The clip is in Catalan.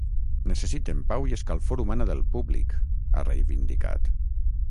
“Necessiten pau i escalfor humana del públic”, ha reivindicat.